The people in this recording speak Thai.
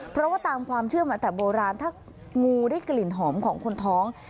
เพราะว่าตามความเชื่อมาแต่โบราณถ้างูได้กลิ่นหอมของคนท้อง